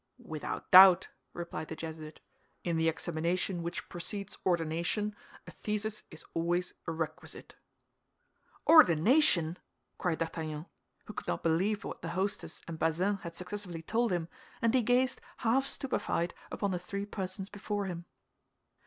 "Without doubt," replied the Jesuit. "In the examination which precedes ordination, a thesis is always a requisite." "Ordination!" cried D'Artagnan, who could not believe what the hostess and Bazin had successively told him; and he gazed, half stupefied, upon the three persons before him.